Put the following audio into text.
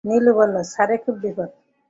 নীলু বলল, স্যারের খুব বিপদ।